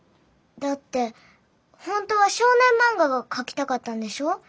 だって本当は少年漫画が描きたかったんでしょう？